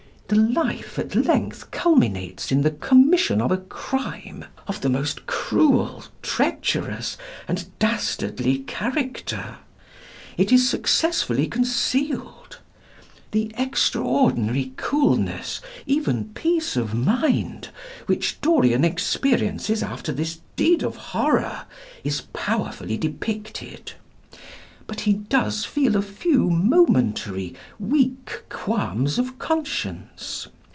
" The life at length culminates in the commission of a crime of the most cruel, treacherous, and dastardly character. It is successfully concealed. The extraordinary coolness, even peace of mind, which Dorian experiences after this deed of horror is powerfully depicted. But he does feel a few momentary, weak qualms of conscience.